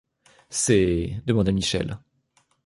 C’est ?… demanda Michel.